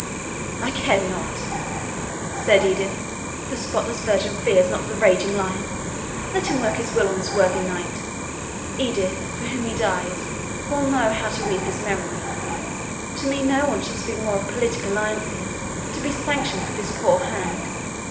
"I care not," said Edith; "the spotless virgin fears not the raging lion. Let him work his will on this worthy knight. Edith, for whom he dies, will know how to weep his memory. To me no one shall speak more of politic alliances to be sanctioned with this poor hand.